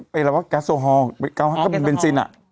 ไปแล้วว่าแกซโฮล์๙๕ก็เป็นเบนซินอะ